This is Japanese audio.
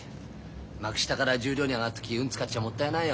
幕下から十両に上がる時運使っちゃもったいないよ。